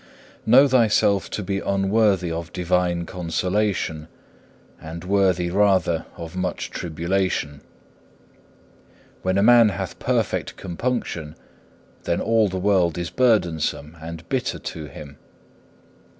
Know thyself to be unworthy of divine consolation, and worthy rather of much tribulation. When a man hath perfect compunction, then all the world is burdensome and bitter to him.